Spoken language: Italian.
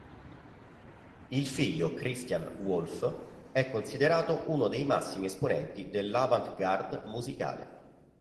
Il figlio Christian Wolff, è considerato uno dei massimi esponenti dell'avant-garde musicale.